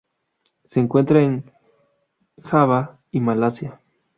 Se encuentra en Java y Malasia.